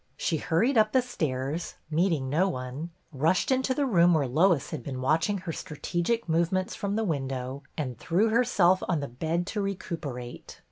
She hurried up the stairs, meeting no one, rushed into the room where Lois had been watching her strategic move ments from the window, and threw herself on the bed to recuperate.